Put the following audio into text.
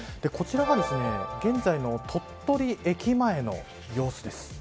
こちらは現在の鳥取駅前の様子です。